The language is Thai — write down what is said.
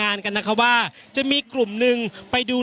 อย่างที่บอกไปว่าเรายังยึดในเรื่องของข้อ